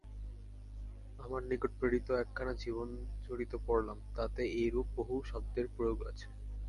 আমার নিকট প্রেরিত একখানা জীবনচরিত পড়লাম, তাতে এইরূপ বহু শব্দের প্রয়োগ আছে।